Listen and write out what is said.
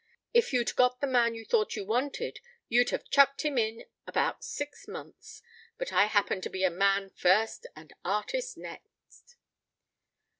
If you'd got the man you thought you wanted you'd have chucked him in about six months. But I happen to be a man first and artist next."